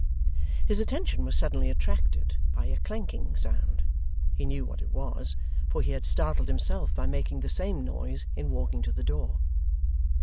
His attention was suddenly attracted by a clanking sound he knew what it was, for he had startled himself by making the same noise in walking to the door.